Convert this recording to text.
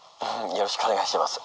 よろしくお願いします。